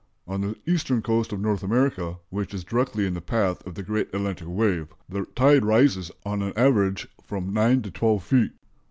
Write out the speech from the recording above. On the eastern coast of North America, which is directly in the path of the great Atlantic wave, the tide rises on an average from 9 to 12 feet.